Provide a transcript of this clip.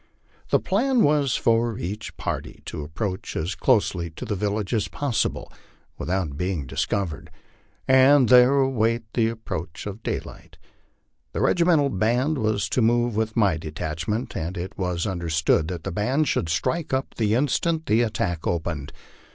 The plan was for each party to approach as closely to the village as possible without being discovered, and there await the ap proach of daylight. The regimental band was to move with my detachment, and it was understood that the band should strike up the instant the attack opened.